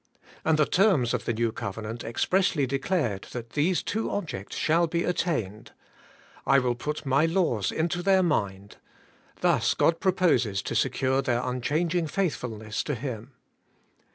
And the terms of the New Covenant expressly declared that these two ob jects shall be attained. 'I will put my laws into their mind:' thus God proposes to secure their unchang ing faithfulness to Him.